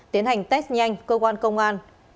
tiến hành test nhanh cơ quan công an